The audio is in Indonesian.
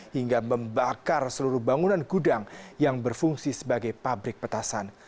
hingga membakar seluruh bangunan gudang yang berfungsi sebagai pabrik petasan